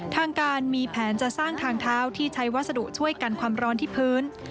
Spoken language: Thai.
ทางการมีแผนจะสร้างทางเท้าที่ใช้วัสดุช่วยกันความร้อนที่พื้น